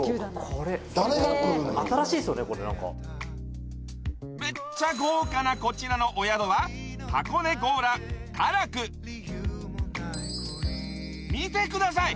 これめっちゃ豪華なこちらのお宿は見てください